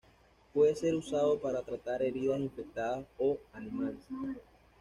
Puede ser usado para tratar heridas infectadas o animales.